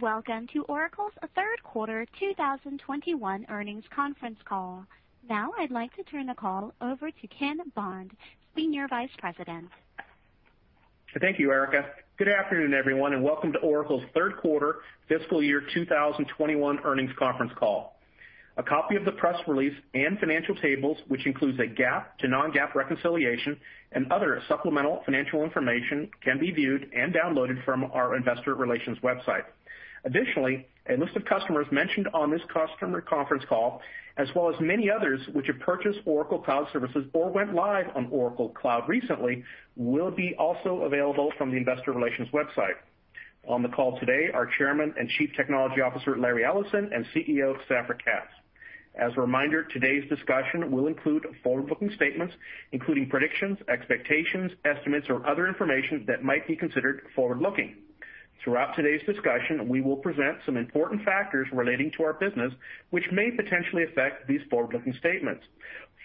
Welcome to Oracle's third quarter 2021 earnings conference call. I'd like to turn the call over to Ken Bond, Senior Vice President. Thank you, Erica. Good afternoon, everyone, and welcome to Oracle's third quarter fiscal year 2021 earnings conference call. A copy of the press release and financial tables, which includes a GAAP to non-GAAP reconciliation and other supplemental financial information, can be viewed and downloaded from our investor relations website. Additionally, a list of customers mentioned on this customer conference call, as well as many others which have purchased Oracle Cloud Services or went live on Oracle Cloud recently, will be also available from the investor relations website. On the call today are Chairman and Chief Technology Officer, Larry Ellison, and CEO, Safra Catz. As a reminder, today's discussion will include forward-looking statements, including predictions, expectations, estimates, or other information that might be considered forward-looking. Throughout today's discussion, we will present some important factors relating to our business, which may potentially affect these forward-looking statements.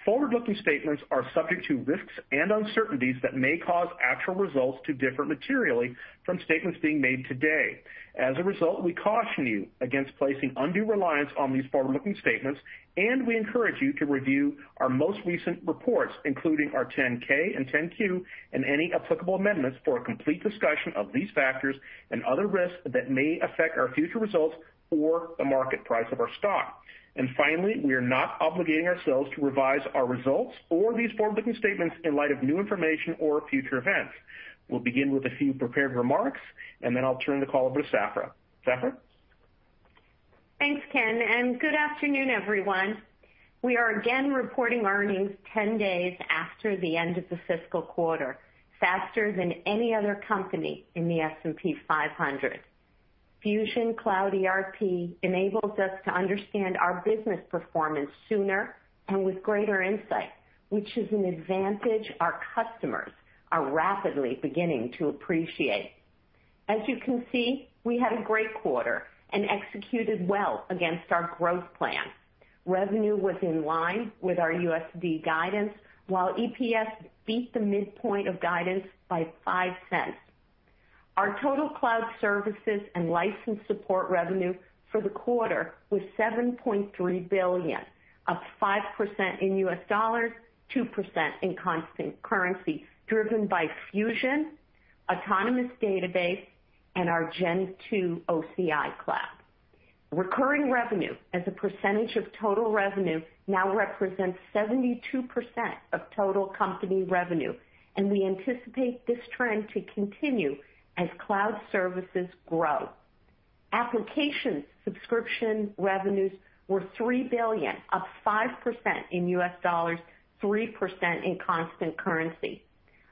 Forward-looking statements are subject to risks and uncertainties that may cause actual results to differ materially from statements being made today. As a result, we caution you against placing undue reliance on these forward-looking statements, and we encourage you to review our most recent reports, including our 10-K and 10-Q, and any applicable amendments for a complete discussion of these factors and other risks that may affect our future results or the market price of our stock. Finally, we are not obligating ourselves to revise our results or these forward-looking statements in light of new information or future events. We'll begin with a few prepared remarks, and then I'll turn the call over to Safra. Safra? Thanks, Ken, good afternoon, everyone. We are again reporting earnings 10 days after the end of the fiscal quarter, faster than any other company in the S&P 500. Fusion Cloud ERP enables us to understand our business performance sooner and with greater insight, which is an advantage our customers are rapidly beginning to appreciate. As you can see, we had a great quarter, executed well against our growth plan. Revenue was in line with our USD guidance, while EPS beat the midpoint of guidance by $0.05. Our total cloud services and license support revenue for the quarter was $7.3 billion, up 5% in US dollars, 2% in constant currency, driven by Fusion, Autonomous Database, and our Gen 2 OCI cloud. Recurring revenue as a percentage of total revenue now represents 72% of total company revenue, we anticipate this trend to continue as cloud services grow. Application subscription revenues were $3 billion, up 5% in US dollars, 3% in constant currency.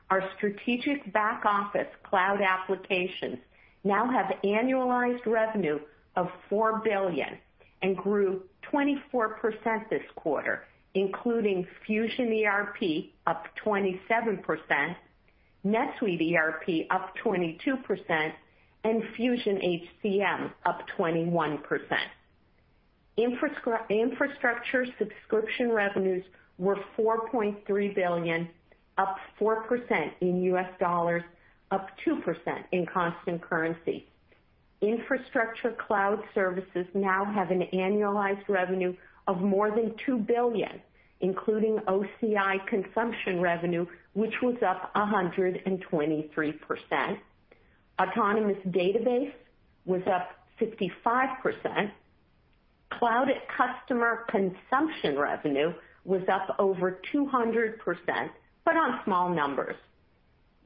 Our strategic back office cloud applications now have annualized revenue of $4 billion and grew 24% this quarter, including Fusion ERP up 27%, NetSuite ERP up 22%, and Fusion HCM up 21%. Infrastructure subscription revenues were $4.3 billion, up 4% in US dollars, up 2% in constant currency. Infrastructure cloud services now have an annualized revenue of more than $2 billion, including OCI consumption revenue, which was up 123%. Autonomous Database was up 55%. Cloud customer consumption revenue was up over 200%, but on small numbers.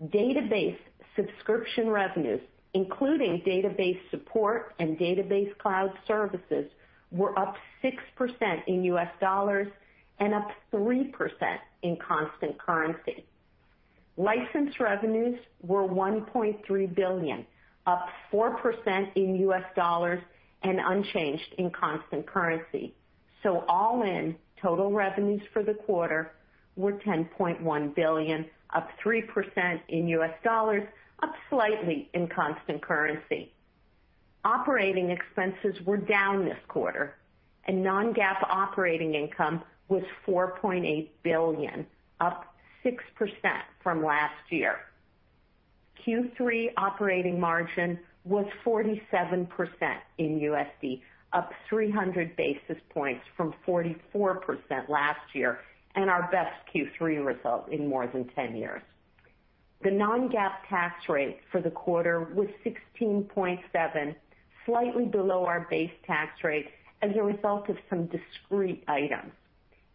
Database subscription revenues, including database support and database cloud services, were up 6% in US dollars and up 3% in constant currency. License revenues were $1.3 billion, up 4% in US dollars and unchanged in constant currency. All in, total revenues for the quarter were $10.1 billion, up 3% in US dollars, up slightly in constant currency. Operating expenses were down this quarter, and non-GAAP operating income was $4.8 billion, up 6% from last year. Q3 operating margin was 47% in USD, up 300 basis points from 44% last year, and our best Q3 result in more than 10 years. The non-GAAP tax rate for the quarter was 16.7%, slightly below our base tax rate as a result of some discrete items.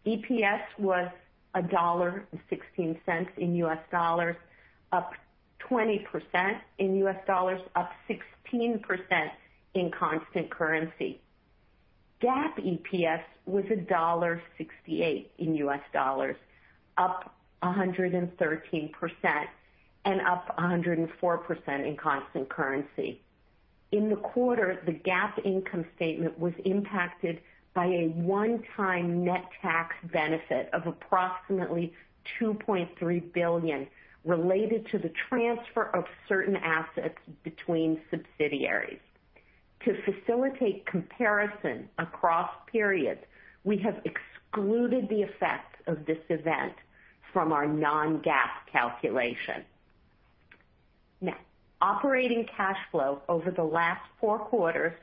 EPS was $1.16 in US dollars, up 20% in US dollars, up 16% in constant currency. GAAP EPS was $1.68 in US dollars, up 113% and up 104% in constant currency. In the quarter, the GAAP income statement was impacted by a one-time net tax benefit of approximately $2.3 billion related to the transfer of certain assets between subsidiaries. To facilitate comparison across periods, we have excluded the effects of this event from our non-GAAP calculation. Now, operating cash flow over the last four quarters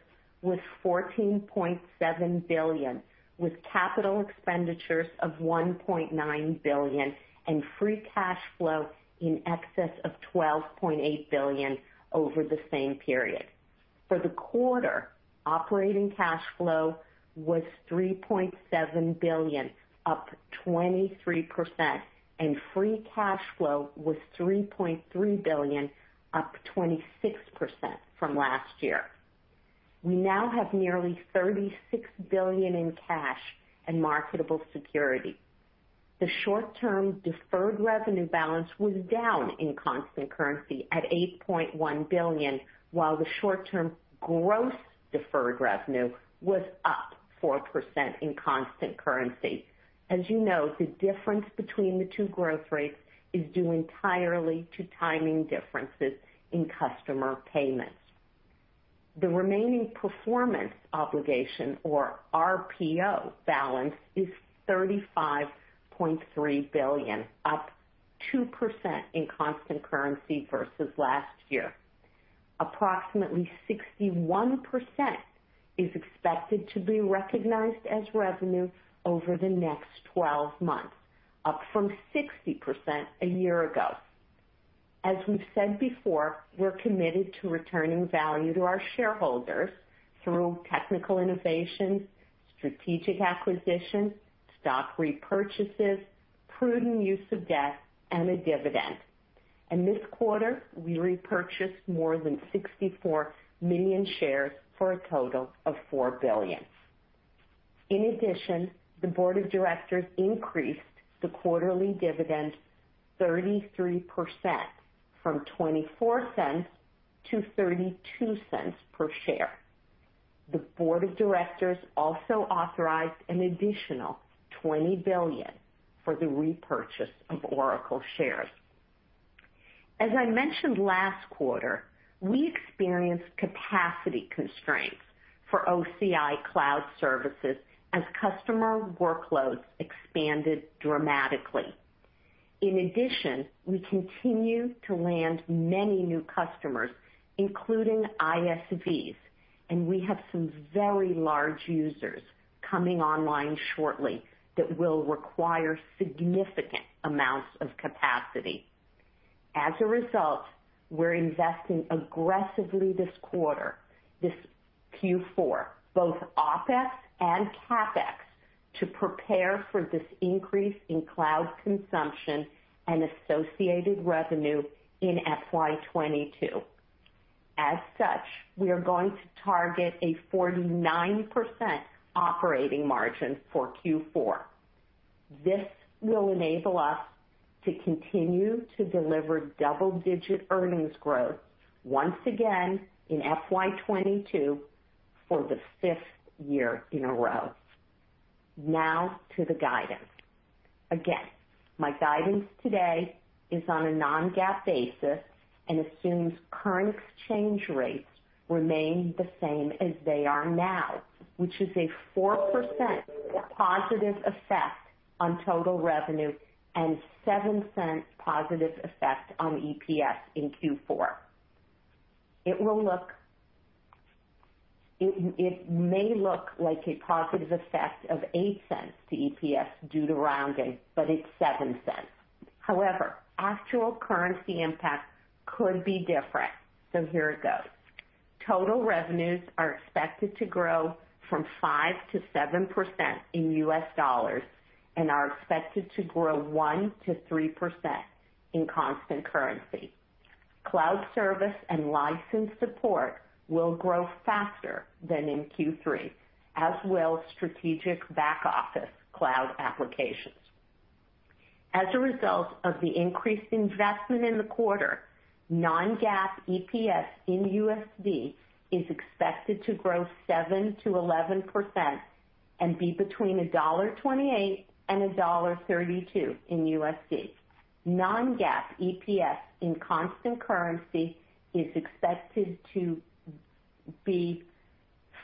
was $14.7 billion, with capital expenditures of $1.9 billion and free cash flow in excess of $12.8 billion over the same period. For the quarter, operating cash flow was $3.7 billion, up 23%, and free cash flow was $3.3 billion, up 26% from last year. We now have nearly $36 billion in cash and marketable security. The short-term deferred revenue balance was down in constant currency at $8.1 billion, while the short-term gross deferred revenue was up 4% in constant currency. As you know, the difference between the two growth rates is due entirely to timing differences in customer payments. The remaining performance obligation, or RPO balance, is $35.3 billion, up 2% in constant currency versus last year. Approximately 61% is expected to be recognized as revenue over the next 12 months, up from 60% a year ago. As we've said before, we're committed to returning value to our shareholders through technical innovations, strategic acquisitions, stock repurchases, prudent use of debt, and a dividend. This quarter, we repurchased more than 64 million shares for a total of $4 billion. In addition, the board of directors increased the quarterly dividend 33%, from $0.24 to $0.32/share. The board of directors also authorized an additional $20 billion for the repurchase of Oracle shares. As I mentioned last quarter, we experienced capacity constraints for OCI Cloud Services as customer workloads expanded dramatically. In addition, we continue to land many new customers, including ISVs, and we have some very large users coming online shortly that will require significant amounts of capacity. As a result, we're investing aggressively this quarter, this Q4, both OpEx and CapEx, to prepare for this increase in cloud consumption and associated revenue in FY 2022. As such, we are going to target a 49% operating margin for Q4. This will enable us to continue to deliver double-digit earnings growth once again in FY 2022 for the fifth year in a row. Now to the guidance. Again, my guidance today is on a non-GAAP basis and assumes current exchange rates remain the same as they are now, which is a 4% positive effect on total revenue and $0.07 positive effect on EPS in Q4. It may look like a positive effect of $0.08 to EPS due to rounding, but it's $0.07. Actual currency impact could be different. Here it goes. Total revenues are expected to grow from 5%-7% in US dollars and are expected to grow 1%-3% in constant currency. Cloud service and license support will grow faster than in Q3, as will strategic back office cloud applications. As a result of the increased investment in the quarter, non-GAAP EPS in USD is expected to grow 7%-11% and be between $1.28 and $1.32 in USD. Non-GAAP EPS in constant currency is expected to be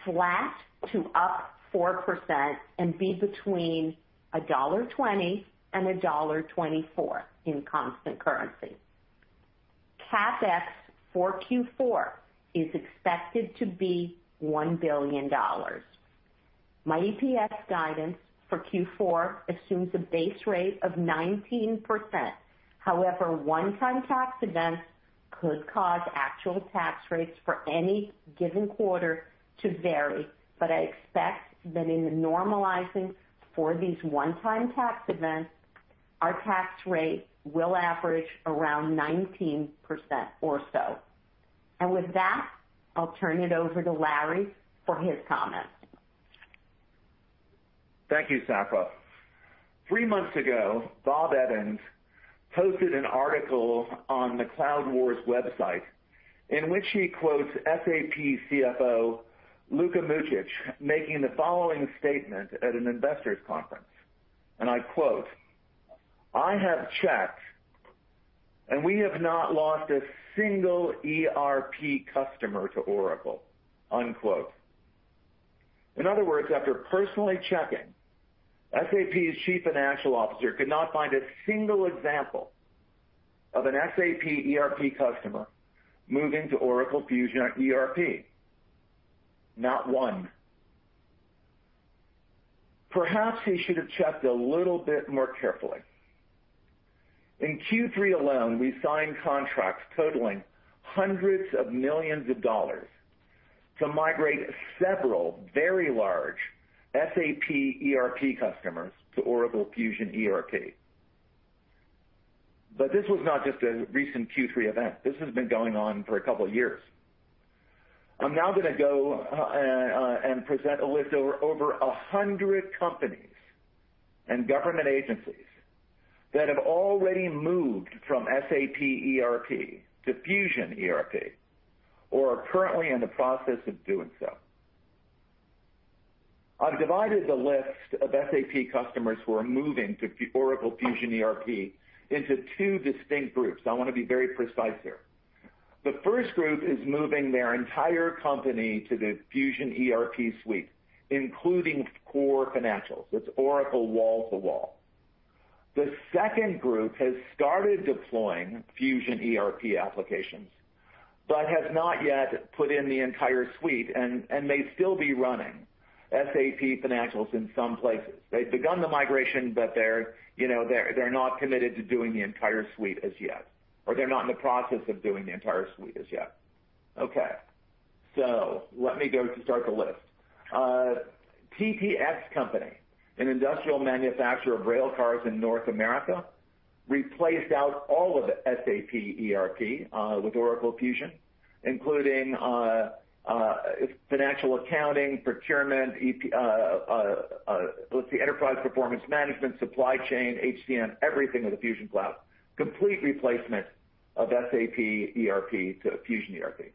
flat to up 4% and be between $1.20 and $1.24 in constant currency. CapEx for Q4 is expected to be $1 billion. My EPS guidance for Q4 assumes a base rate of 19%. However, one-time tax events could cause actual tax rates for any given quarter to vary. I expect that in normalizing for these one-time tax events, our tax rate will average around 19% or so. With that, I'll turn it over to Larry for his comments. Thank you, Safra. Three months ago, Bob Evans posted an article on the Cloud Wars website in which he quotes SAP CFO Luka Mucic making the following statement at an investors conference, and I quote, "I have checked and we have not lost a single ERP customer to Oracle." In other words, after personally checking, SAP's Chief Financial Officer could not find a single example of an SAP ERP customer moving to Oracle Fusion ERP. Not one. Perhaps he should have checked a little bit more carefully. In Q3 alone, we signed contracts totaling hundreds of millions of dollars to migrate several very large SAP ERP customers to Oracle Fusion ERP. This was not just a recent Q3 event. This has been going on for a couple of years. I'm now going to go and present a list of over 100 companies and government agencies that have already moved from SAP ERP to Fusion ERP or are currently in the process of doing so. I've divided the list of SAP customers who are moving to Oracle Fusion ERP into two distinct groups. I want to be very precise here. The first group is moving their entire company to the Fusion ERP suite, including core financials. It's Oracle wall to wall. The second group has started deploying Fusion ERP applications but has not yet put in the entire suite and may still be running SAP financials in some places. They've begun the migration, but they're not committed to doing the entire suite as yet, or they're not in the process of doing the entire suite as yet. Okay. Let me go to start the list. TTX Company, an industrial manufacturer of rail cars in North America, replaced out all of SAP ERP, with Oracle Fusion, including financial accounting, procurement, let's see, Enterprise Performance Management, supply chain, HCM, everything with the Fusion Cloud. Complete replacement of SAP ERP to Fusion ERP.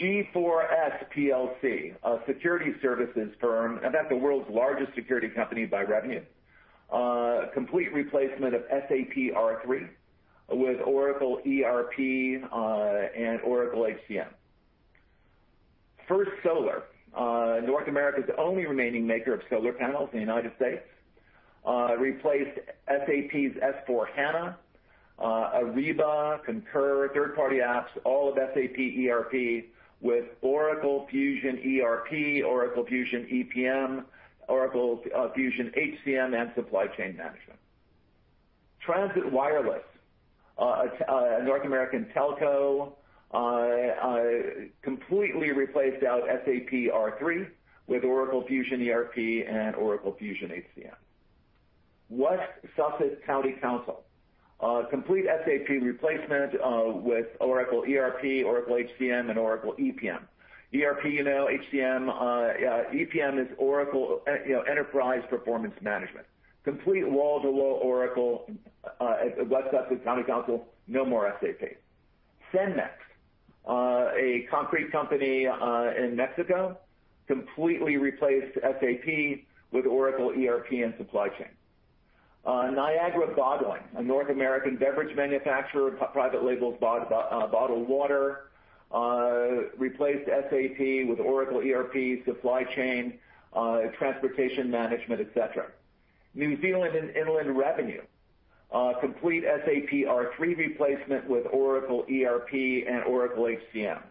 G4S Plc, a security services firm, in fact, the world's largest security company by revenue. Complete replacement of SAP R/3 with Oracle ERP, and Oracle HCM. First Solar, North America's only remaining maker of solar panels in the United States, replaced SAP's S/4HANA, Ariba, Concur, third-party apps, all of SAP ERP with Oracle Fusion ERP, Oracle Fusion EPM, Oracle Fusion HCM, and supply chain management. Transit Wireless, a North American telco, completely replaced out SAP R/3 with Oracle Fusion ERP and Oracle Fusion HCM. West Sussex County Council, complete SAP replacement, with Oracle ERP, Oracle HCM, and Oracle EPM. ERP you know, HCM, EPM is Oracle Enterprise Performance Management. Complete wall-to-wall Oracle, at West Sussex County Council, no more SAP. Cemex, a concrete company in Mexico, completely replaced SAP with Oracle ERP and supply chain. Niagara Bottling, a North American beverage manufacturer, private label bottled water, replaced SAP with Oracle ERP, supply chain, transportation management, et cetera. New Zealand Inland Revenue, complete SAP R/3 replacement with Oracle ERP and Oracle HCM.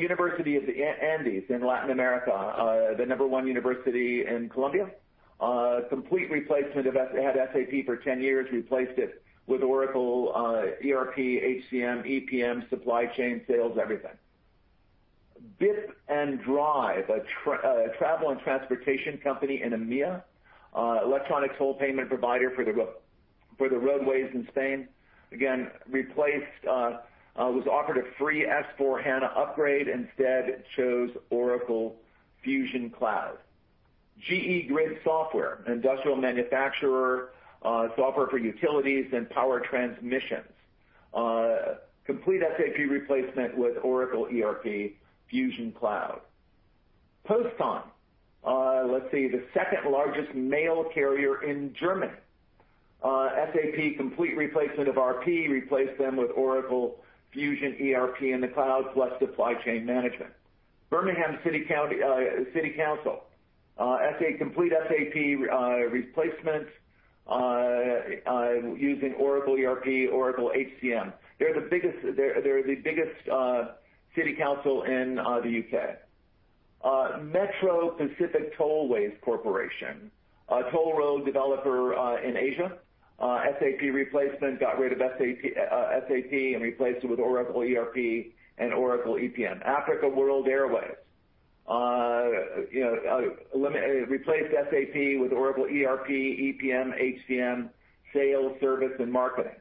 University of the Andes in Latin America, the number one university in Colombia, complete replacement. They had SAP for 10 years, replaced it with Oracle ERP, HCM, EPM, supply chain, sales, everything. Bip&Drive, a travel and transportation company in EMEA, electronic toll payment provider for the roadways in Spain. Again, was offered a free S/4HANA upgrade, instead chose Oracle Fusion Cloud. GE Grid Software, an industrial manufacturer, software for utilities and power transmissions, complete SAP replacement with Oracle ERP Fusion Cloud. Postcon, let's see, the second-largest mail carrier in Germany. SAP complete replacement of ERP, replaced them with Oracle Fusion ERP in the cloud, plus supply chain management. Birmingham City Council, complete SAP replacement, using Oracle ERP, Oracle HCM. They're the biggest city council in the U.K. Metro Pacific Tollways Corporation, a toll road developer, in Asia, SAP replacement, got rid of SAP and replaced it with Oracle ERP and Oracle EPM. Africa World Airlines, replaced SAP with Oracle ERP, EPM, HCM, sales, service, and marketing.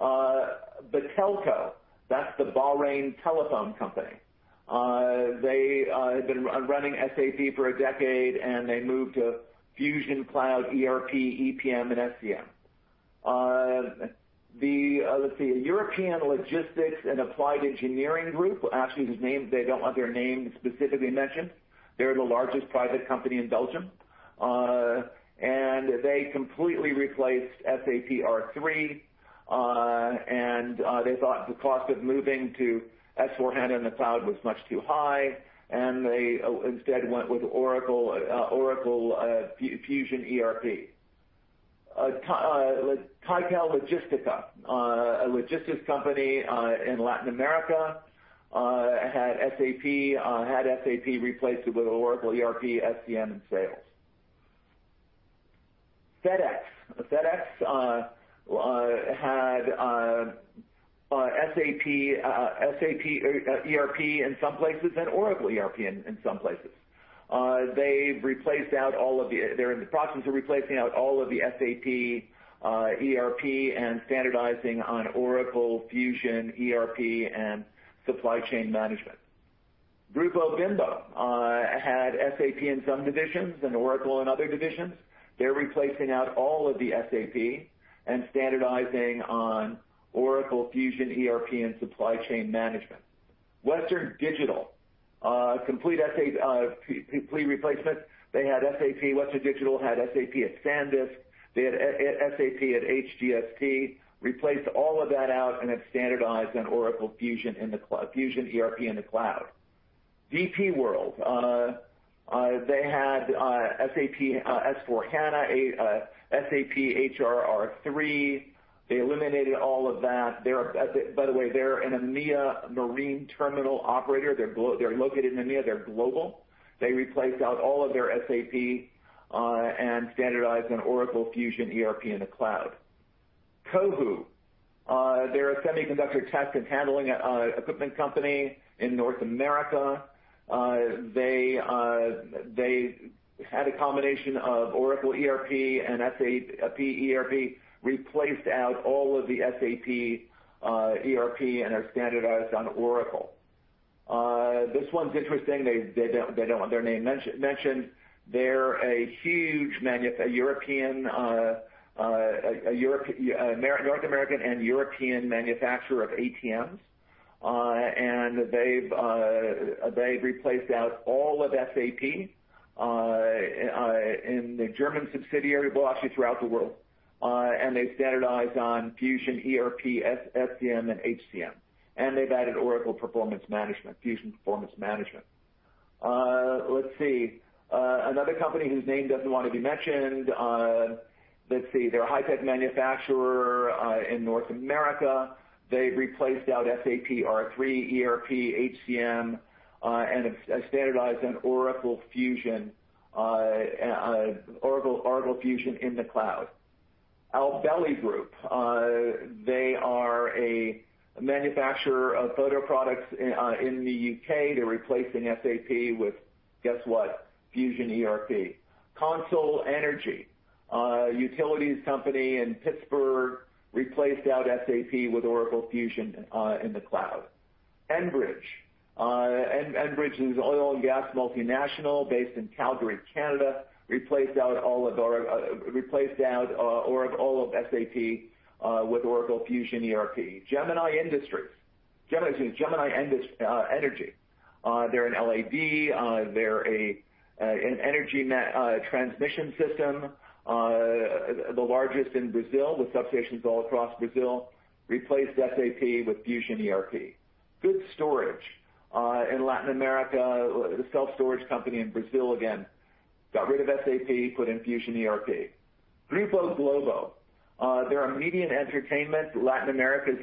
Batelco, that's the Bahrain Telecommunication Company, they had been running SAP for a decade. They moved to Fusion Cloud ERP, EPM, and SCM. Let's see, a European logistics and applied engineering group. Actually, they don't want their name specifically mentioned. They're the largest private company in Belgium. They completely replaced SAP R/3, and they thought the cost of moving to S/4HANA in the cloud was much too high, and they instead went with Oracle Fusion ERP. Tical Logistica, a logistics company in Latin America, had SAP, replaced it with Oracle ERP, SCM, and sales. FedEx. FedEx had SAP ERP in some places and Oracle ERP in some places. They're in the process of replacing out all of the SAP ERP and standardizing on Oracle Fusion ERP and supply chain management. Grupo Bimbo had SAP in some divisions and Oracle in other divisions. They're replacing out all of the SAP and standardizing on Oracle Fusion ERP and supply chain management. Western Digital, complete replacement. Western Digital had SAP at SanDisk. They had SAP at HGST, replaced all of that out, and have standardized on Oracle Fusion ERP in the cloud. DP World, they had SAP S/4HANA, SAP HR R/3. They eliminated all of that. By the way, they're an EMEA marine terminal operator. They're located in EMEA. They're global. They replaced out all of their SAP, and standardized on Oracle Fusion ERP in the cloud. Cohu. They're a semiconductor test and handling equipment company in North America. They had a combination of Oracle ERP and SAP ERP, replaced out all of the SAP ERP and are standardized on Oracle. This one's interesting. They don't want their name mentioned. They're a huge North American and European manufacturer of ATMs. They've replaced out all of SAP in the German subsidiary, well, actually throughout the world. They've standardized on Fusion ERP, SCM, and HCM. They've added Oracle Performance Management, Fusion Performance Management. Let's see, another company whose name doesn't want to be mentioned. Let's see, they're a high-tech manufacturer in North America. They've replaced out SAP R/3 ERP, HCM, and have standardized on Oracle Fusion in the cloud. albelli Group. They are a manufacturer of photo products in the U.K. They're replacing SAP with, guess what? Fusion ERP. CONSOL Energy, a utilities company in Pittsburgh, replaced out SAP with Oracle Fusion in the cloud. Enbridge. Enbridge is oil and gas multinational based in Calgary, Canada. Replaced out all of SAP with Oracle Fusion ERP. Gemini Industries. Excuse me, Gemini Energy. They're an LED, they're an energy transmission system, the largest in Brazil with substations all across Brazil. Replaced SAP with Fusion ERP. GoodStorage in Latin America, a self-storage company in Brazil, again, got rid of SAP, put in Fusion ERP. Grupo Globo. They're a media and entertainment, Latin America's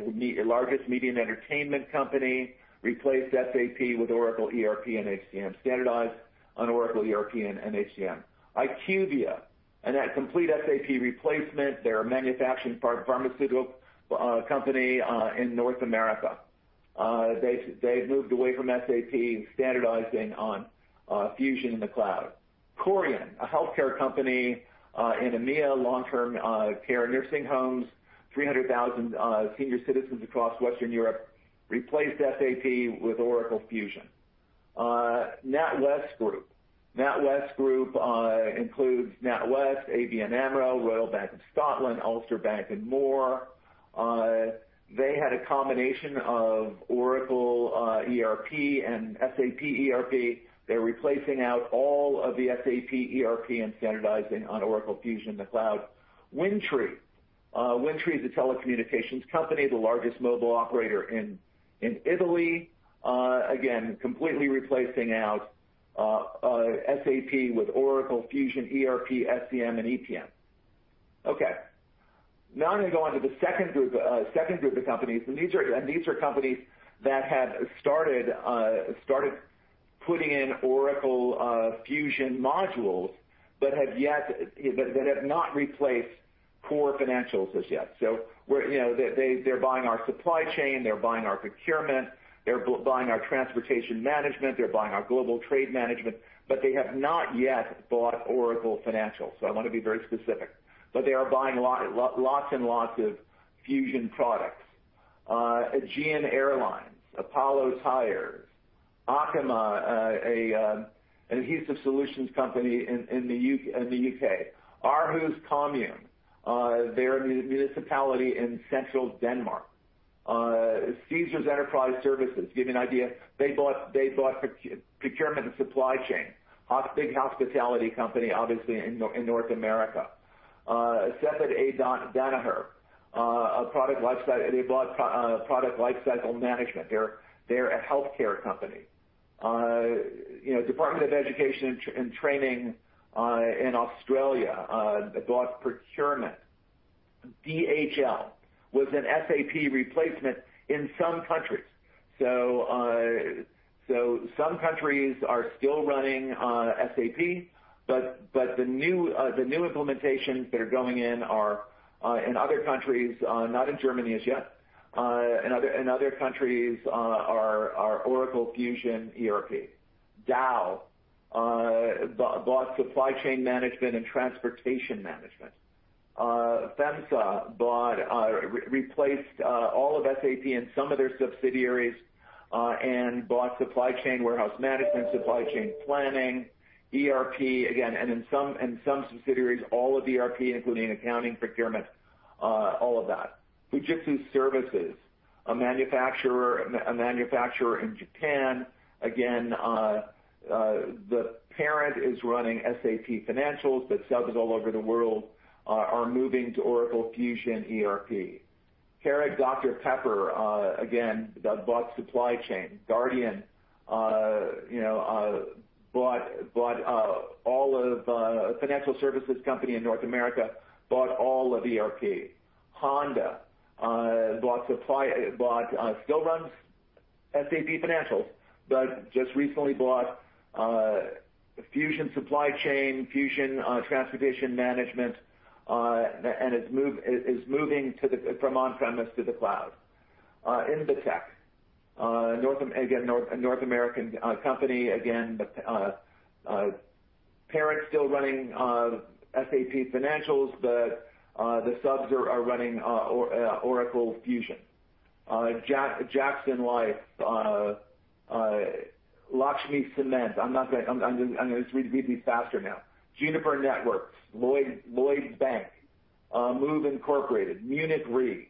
largest media and entertainment company, replaced SAP with Oracle ERP and HCM, standardized on Oracle ERP and HCM. IQVIA, a complete SAP replacement. They're a manufacturing pharmaceutical company in North America. They've moved away from SAP, standardizing on Oracle Fusion in the cloud. Korian, a healthcare company in EMEA, long-term care, nursing homes, 300,000 senior citizens across Western Europe, replaced SAP with Oracle Fusion. NatWest Group. NatWest Group includes NatWest, ABN AMRO, Royal Bank of Scotland, Ulster Bank, and more. They had a combination of Oracle ERP and SAP ERP. They're replacing out all of the SAP ERP and standardizing on Oracle Fusion in the cloud. WINDTRE. WINDTRE is a telecommunications company, the largest mobile operator in Italy. Completely replacing out SAP with Oracle Fusion ERP, SCM, and EPM. I'm going to go on to the second group of companies, these are companies that have started putting in Oracle Fusion modules but that have not replaced core financials as yet. They're buying our supply chain, they're buying our procurement, they're buying our transportation management, they're buying our global trade management, they have not yet bought Oracle Financial, so I want to be very specific, they are buying lots and lots of Fusion products. Aegean Airlines, Apollo Tyres, Arkema, an adhesive solutions company in the U.K. Aarhus Kommune. They're a municipality in central Denmark. Caesars Enterprise Services, to give you an idea, they bought procurement and supply chain. Big hospitality company, obviously, in North America. Cepheid and Danaher, they bought product lifecycle management. They're a healthcare company. Department of Education and Training in Australia bought procurement. DHL was an SAP replacement in some countries. Some countries are still running SAP, but the new implementations that are going in are in other countries, not in Germany as yet. In other countries are Oracle Fusion ERP. Dow bought supply chain management and transportation management. FEMSA replaced all of SAP in some of their subsidiaries and bought supply chain warehouse management, supply chain planning, ERP again, and in some subsidiaries, all of ERP, including accounting, procurement, all of that. Fujitsu Services, a manufacturer in Japan. Again, the parent is running SAP Financials, but subs all over the world are moving to Oracle Fusion ERP. Keurig Dr Pepper, again, bought supply chain. Guardian, a financial services company in North America, bought all of ERP. Honda still runs SAP Financials, but just recently bought Fusion Supply Chain, Fusion Transportation Management, and is moving from on-premise to the cloud. Invetech, again, North American company. Again, parent's still running SAP Financials, but the subs are running Oracle Fusion. Jackson Life. Lakshmi Cement. I'm going to read these faster now. Juniper Networks. Lloyds Bank. Move, Inc. Munich Re.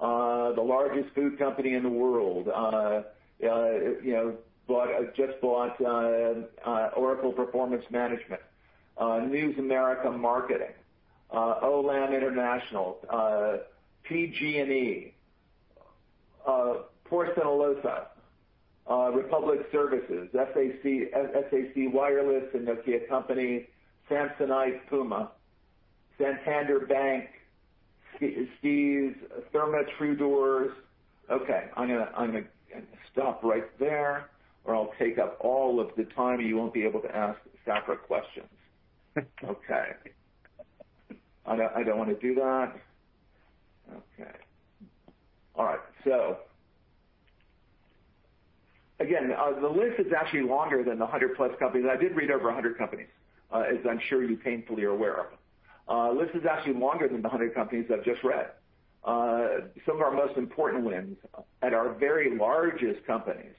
The largest food company in the world just bought Oracle Performance Management. News America Marketing. Olam International. PG&E. Port St. Lucie. Republic Services. SAC Wireless, a Nokia company. Samsonite. Puma. Santander Bank. Steve's. Therma-Tru Doors. Okay, I'm going to stop right there, or I'll take up all of the time, and you won't be able to ask Safra questions. Okay. I don't want to do that. Okay. All right. The list is actually longer than the 100-plus companies. I did read over 100 companies, as I'm sure you painfully are aware of. List is actually longer than the 100 companies I've just read. Some of our most important wins at our very largest companies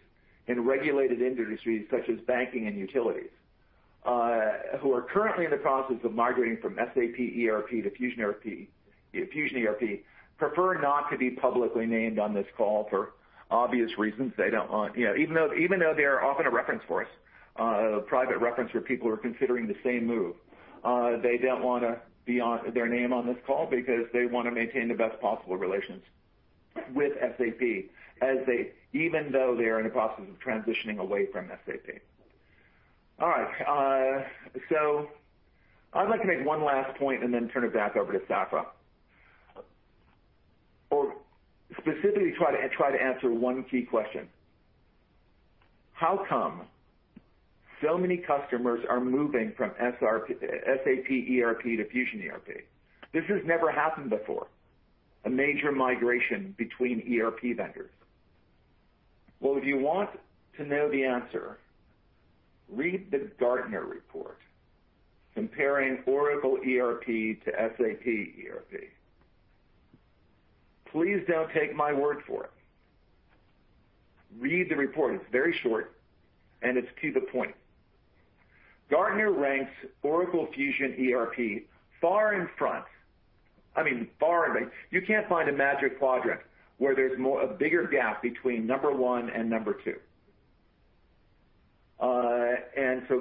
in regulated industries such as banking and utilities, who are currently in the process of migrating from SAP ERP to Fusion ERP, prefer not to be publicly named on this call for obvious reasons. Even though they are often a reference for us, a private reference where people are considering the same move, they don't want their name on this call because they want to maintain the best possible relations with SAP, even though they are in the process of transitioning away from SAP. All right. I'd like to make one last point and then turn it back over to Safra, or specifically try to answer one key question. How come so many customers are moving from SAP ERP to Fusion ERP? This has never happened before, a major migration between ERP vendors. Well, if you want to know the answer, read the Gartner report comparing Oracle ERP to SAP ERP. Please don't take my word for it. Read the report. It's very short, and it's to the point. Gartner ranks Oracle Fusion ERP far in front. I mean, far in front. You can't find a Magic Quadrant where there's a bigger gap between number one and number two.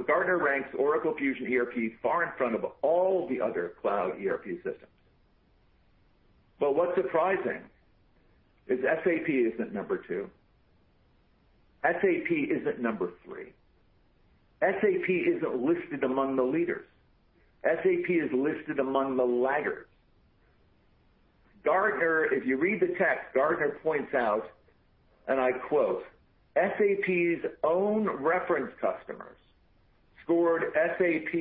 Gartner ranks Oracle Fusion ERP far in front of all the other cloud ERP systems. What's surprising is SAP isn't number two. SAP isn't number three. SAP isn't listed among the leaders. SAP is listed among the laggards. Gartner, If you read the text, Gartner points out, and I quote, "SAP's own reference customers scored SAP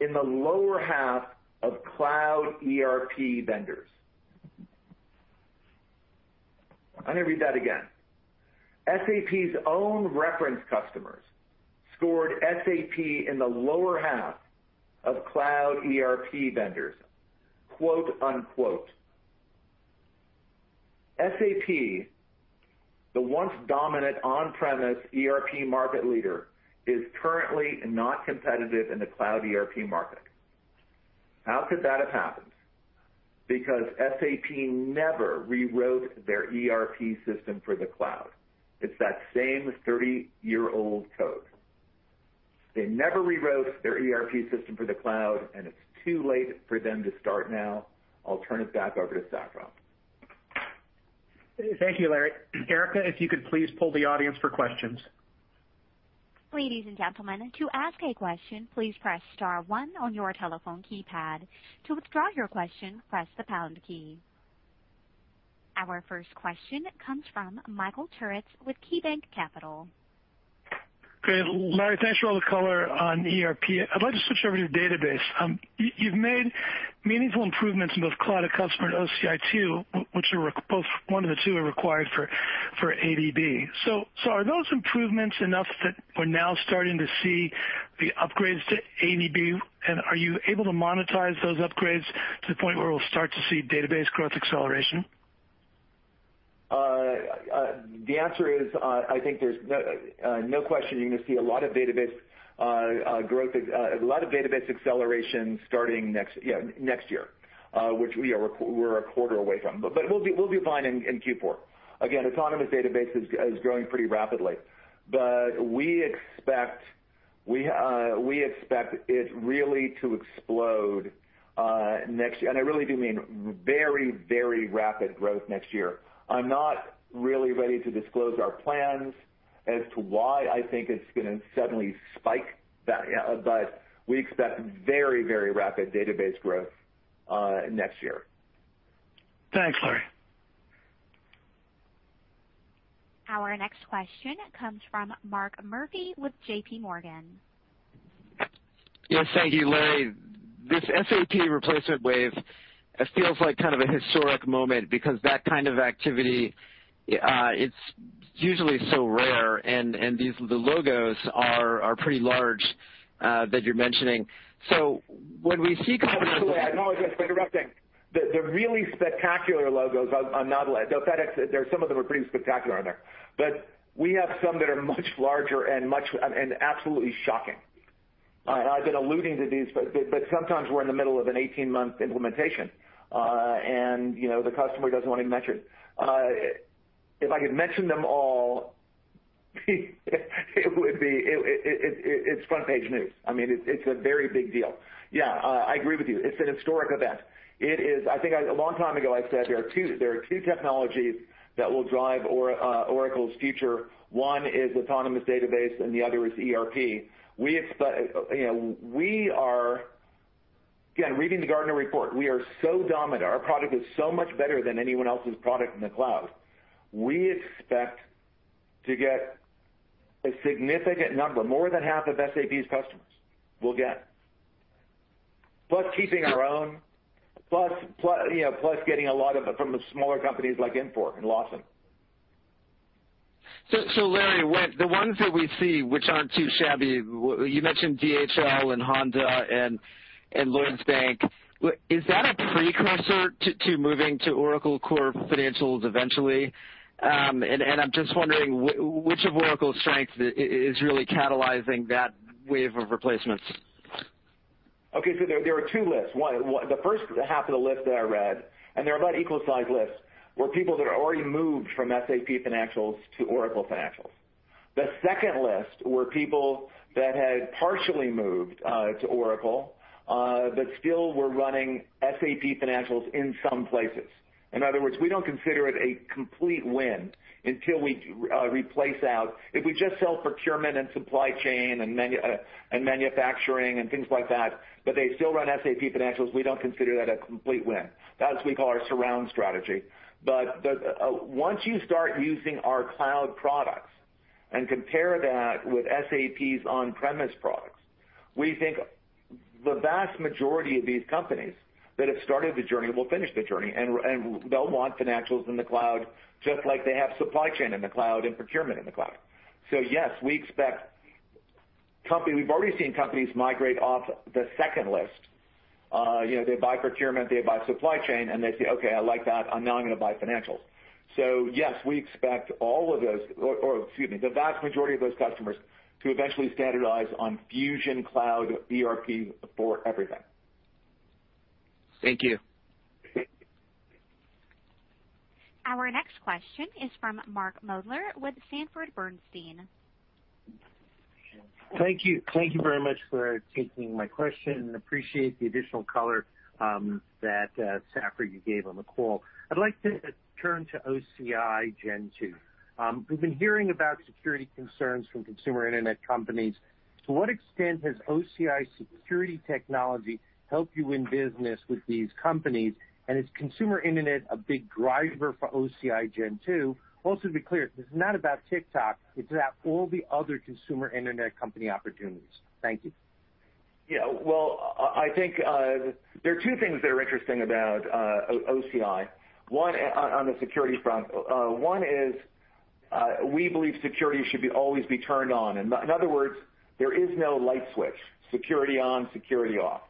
in the lower half of cloud ERP vendors." I'm going to read that again. "SAP's own reference customers scored SAP in the lower half of cloud ERP vendors," quote, unquote. SAP, the once dominant on-premise ERP market leader, is currently not competitive in the cloud ERP market. How could that have happened? SAP never rewrote their ERP system for the cloud. It's that same 30-year-old code. They never rewrote their ERP system for the cloud, and it's too late for them to start now. I'll turn it back over to Safra. Thank you, Larry. Erica, if you could please poll the audience for questions. Ladies and gentlemen, to ask a question, please press star one on your telephone keypad. To withdraw your question, press the pound key. Our first question comes from Michael Turits with KeyBanc Capital. Great. Larry, thanks for all the color on ERP. I'd like to switch over to database. You've made meaningful improvements in both Cloud@Customer and OCI 2, which one of the two are required for ADB. Are those improvements enough that we're now starting to see the upgrades to ADB, and are you able to monetize those upgrades to the point where we'll start to see database growth acceleration? The answer is, I think there's no question you're going to see a lot of database acceleration starting next year, which we're a quarter away from. We'll be fine in Q4. Again, Autonomous Database is growing pretty rapidly. We expect it really to explode next year, and I really do mean very rapid growth next year. I'm not really ready to disclose our plans as to why I think it's going to suddenly spike that. We expect very rapid database growth next year. Thanks, Larry. Our next question comes from Mark Murphy with JPMorgan. Yes, thank you, Larry. This SAP replacement wave feels like kind of a historic moment because that kind of activity, it's usually so rare, and the logos are pretty large that you're mentioning. When we see companies. Actually, I apologize for interrupting. The really spectacular logos, FedEx, some of them are pretty spectacular on there. We have some that are much larger and absolutely shocking. I've been alluding to these, but sometimes we're in the middle of an 18-month implementation, and the customer doesn't want it mentioned. If I could mention them all, it's front page news. I mean, it's a very big deal. Yeah, I agree with you. It's an historic event. I think a long time ago, I said there are two technologies that will drive Oracle's future. One is Autonomous Database, and the other is ERP. Again, reading the Gartner report, we are so dominant. Our product is so much better than anyone else's product in the cloud. We expect to get a significant number, more than half of SAP's customers, we'll get. Plus keeping our own, plus getting a lot of it from the smaller companies like Infor and Lawson. Larry, the ones that we see which aren't too shabby, you mentioned DHL and Honda and Lloyds Bank. Is that a precursor to moving to Oracle core financials eventually? I'm just wondering which of Oracle's strengths is really catalyzing that wave of replacements. Okay. There are two lists. The first half of the list that I read, and they're about equal size lists, were people that already moved from SAP financials to Oracle financials. The second list were people that had partially moved to Oracle, but still were running SAP financials in some places. In other words, we don't consider it a complete win until we replace out. If we just sell procurement and supply chain and manufacturing and things like that, but they still run SAP financials, we don't consider that a complete win. That's what we call our surround strategy. Once you start using our cloud products and compare that with SAP's on-premise products, we think the vast majority of these companies that have started the journey will finish the journey, and they'll want financials in the cloud, just like they have supply chain in the cloud and procurement in the cloud. Yes, we've already seen companies migrate off the second list. They buy procurement, they buy supply chain, and they say, "Okay, I like that. Now I'm going to buy financials." Yes, we expect the vast majority of those customers to eventually standardize on Fusion Cloud ERP for everything. Thank you. Our next question is from Mark Moerdler with Sanford Bernstein. Thank you. Thank you very much for taking my question, and appreciate the additional color that, Safra, you gave on the call. I'd like to turn to OCI Gen 2. We've been hearing about security concerns from consumer internet companies. To what extent has OCI security technology helped you win business with these companies? Is consumer internet a big driver for OCI Gen 2? Also, to be clear, this is not about TikTok, it's about all the other consumer internet company opportunities. Thank you. Well, I think there are two things that are interesting about OCI, on the security front. One is we believe security should always be turned on. In other words, there is no light switch, security on, security off.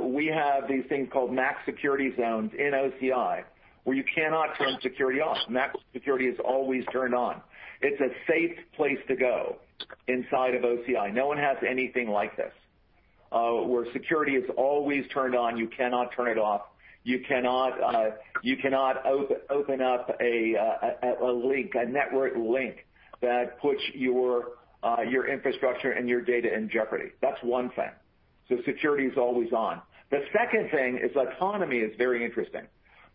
We have these things called Max Security Zones in OCI, where you cannot turn security off. Max Security is always turned on. It's a safe place to go. Inside of OCI. No one has anything like this, where security is always turned on. You cannot turn it off. You cannot open up a link, a network link that puts your infrastructure and your data in jeopardy. That's one thing. Security is always on. The second thing is autonomy is very interesting.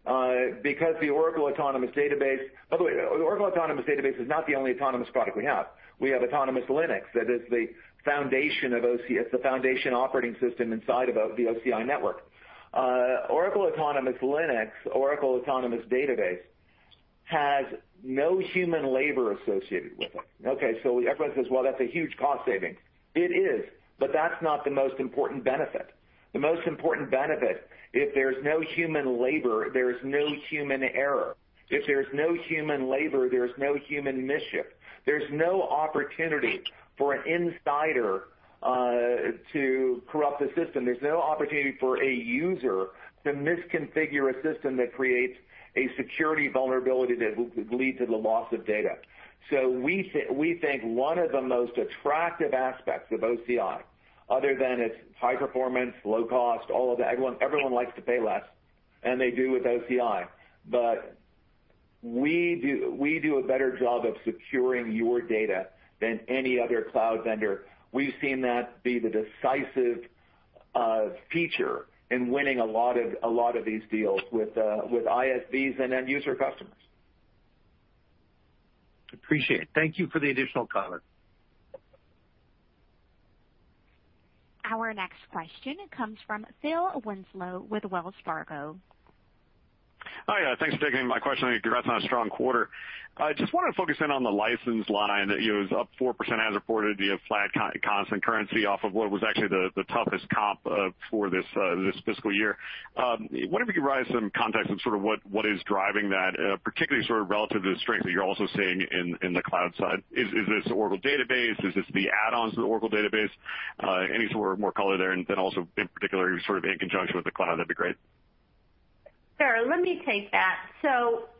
The Oracle Autonomous Database, by the way, the Oracle Autonomous Database is not the only autonomous product we have. We have Autonomous Linux that is the foundation operating system inside of the OCI network. Oracle Autonomous Linux, Oracle Autonomous Database has no human labor associated with it. Everyone says, "Well, that's a huge cost saving." It is, but that's not the most important benefit. The most important benefit, if there's no human labor, there's no human error. If there's no human labor, there's no human mischief. There's no opportunity for an insider to corrupt the system. There's no opportunity for a user to misconfigure a system that creates a security vulnerability that would lead to the loss of data. We think one of the most attractive aspects of OCI, other than its high performance, low cost, all of that, everyone likes to pay less, and they do with OCI. We do a better job of securing your data than any other cloud vendor. We've seen that be the decisive feature in winning a lot of these deals with ISVs and end user customers. Appreciate it. Thank you for the additional color. Our next question comes from Phil Winslow with Wells Fargo. Hi. Thanks for taking my question. Congrats on a strong quarter. I just want to focus in on the license line that it was up 4% as reported via flat constant currency off of what was actually the toughest comp for this fiscal year. Wonder if you could provide some context of what is driving that, particularly sort of relative to the strength that you're also seeing in the cloud side? Is this Oracle database? Is this the add-ons to the Oracle database? Any sort of more color there, and then also in particular, sort of in conjunction with the cloud, that'd be great. Sure. Let me take that.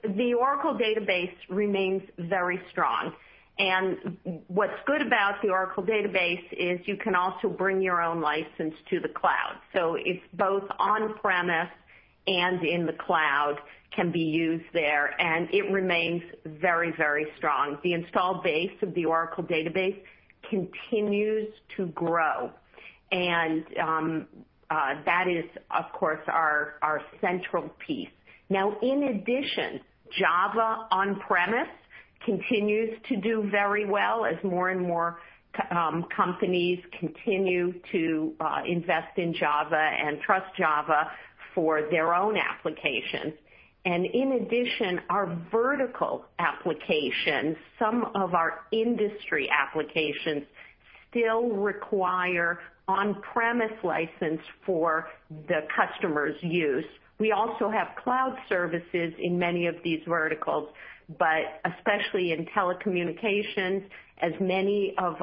The Oracle database remains very strong. What's good about the Oracle database is you can also bring your own license to the cloud. It's both on-premise and in the cloud can be used there, and it remains very, very strong. The install base of the Oracle database continues to grow, and that is, of course, our central piece. In addition, Java on-premise continues to do very well as more and more companies continue to invest in Java and trust Java for their own applications. In addition, our vertical applications, some of our industry applications still require on-premise license for the customer's use. We also have cloud services in many of these verticals, but especially in telecommunications, as many of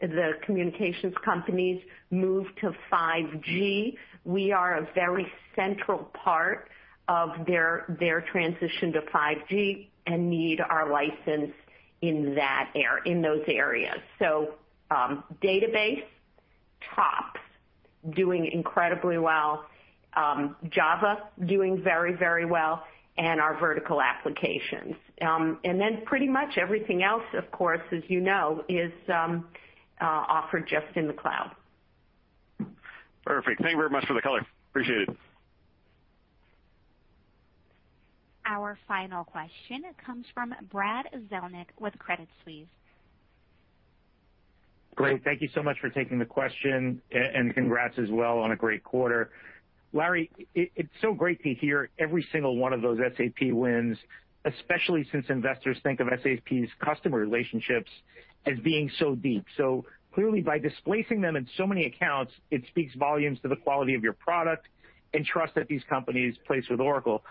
the communications companies move to 5G, we are a very central part of their transition to 5G and need our license in those areas. Database, tops, doing incredibly well. Java, doing very well, and our vertical applications. Pretty much everything else, of course, as you know, is offered just in the cloud. Perfect. Thank you very much for the color. Appreciate it. Our final question comes from Brad Zelnick with Credit Suisse. Great. Thank you so much for taking the question, and congrats as well on a great quarter. Larry, it's so great to hear every single one of those SAP wins, especially since investors think of SAP's customer relationships as being so deep. Clearly, by displacing them in so many accounts, it speaks volumes to the quality of your product and trust that these companies place with Oracle.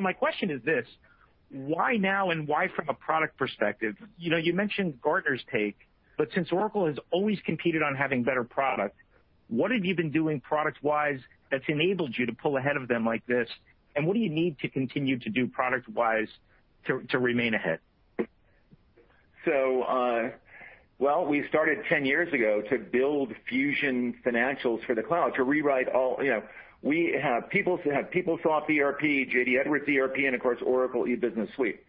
My question is this: why now and why from a product perspective? You mentioned Gartner's take, but since Oracle has always competed on having better product, what have you been doing product-wise that's enabled you to pull ahead of them like this? What do you need to continue to do product-wise to remain ahead? Well, we started 10 years ago to build Fusion financials for the cloud, to rewrite all We have PeopleSoft ERP, JD Edwards ERP, and of course, Oracle E-Business Suite.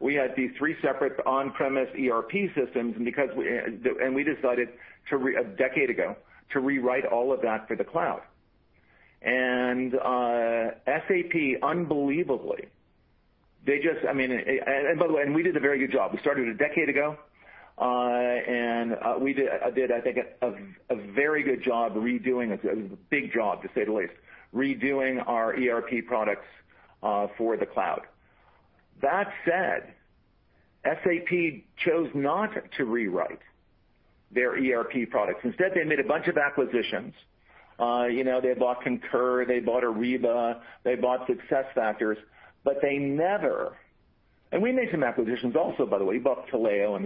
We had these three separate on-premise ERP systems, we decided a decade ago to rewrite all of that for the cloud. SAP, unbelievably, by the way, we did a very good job. We started a decade ago, we did, I think, a very good job redoing, it was a big job, to say the least, redoing our ERP products for the cloud. That said, SAP chose not to rewrite their ERP products. Instead, they made a bunch of acquisitions. They bought Concur, they bought Ariba, they bought SuccessFactors. We made some acquisitions also, by the way. We bought Taleo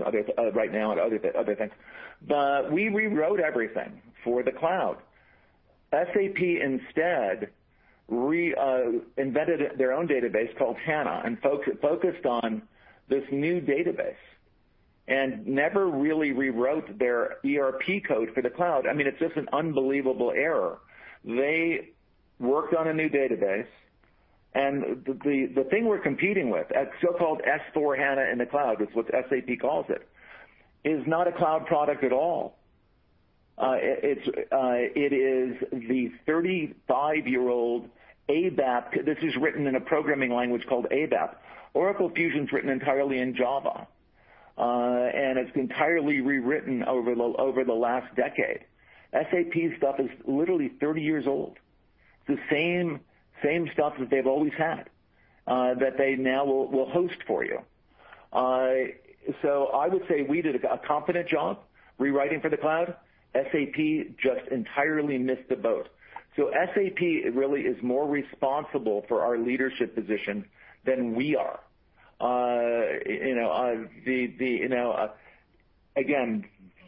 right now and other things. We rewrote everything for the cloud. SAP instead reinvented their own database called SAP HANA and focused on this new database and never really rewrote their ERP code for the cloud. It's just an unbelievable error. They worked on a new database, and the thing we're competing with, so-called S/4HANA in the cloud, is what SAP calls it, is not a cloud product at all. It is the 35-year-old ABAP. This is written in a programming language called ABAP. Oracle Fusion's written entirely in Java, and it's entirely rewritten over the last decade. SAP's stuff is literally 30 years old. It's the same stuff that they've always had, that they now will host for you. I would say we did a competent job rewriting for the cloud. SAP just entirely missed the boat. SAP really is more responsible for our leadership position than we are.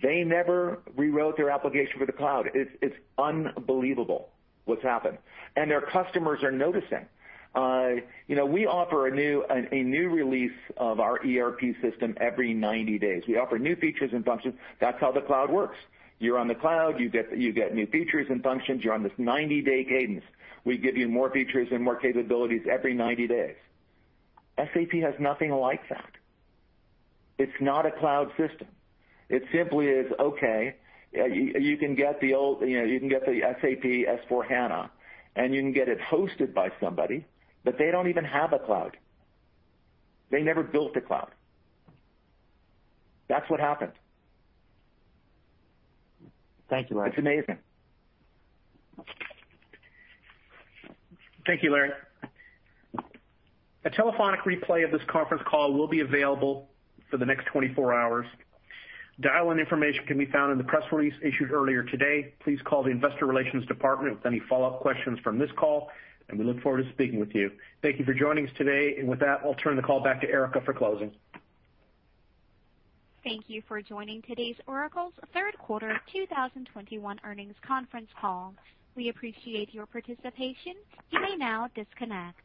They never rewrote their application for the cloud. It's unbelievable what's happened. Their customers are noticing. We offer a new release of our ERP system every 90 days. We offer new features and functions. That's how the cloud works. You're on the cloud, you get new features and functions. You're on this 90-day cadence. We give you more features and more capabilities every 90 days. SAP has nothing like that. It's not a cloud system. It simply is, okay, you can get the SAP S/4HANA, and you can get it hosted by somebody, but they don't even have a cloud. They never built a cloud. That's what happened. Thank you, Larry. It's amazing. Thank you, Larry. A telephonic replay of this conference call will be available for the next 24 hours. Dial-in information can be found in the press release issued earlier today. Please call the investor relations department with any follow-up questions from this call, and we look forward to speaking with you. Thank you for joining us today. With that, I'll turn the call back to Erica for closing. Thank you for joining today's Oracle's third quarter 2021 earnings conference call. We appreciate your participation. You may now disconnect.